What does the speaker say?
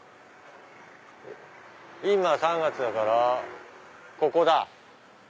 今３月だからここだ。